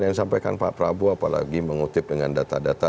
yang disampaikan pak prabowo apalagi mengutip dengan data data